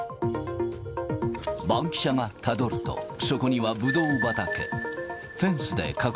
バンキシャがたどると、そこにはブドウ畑。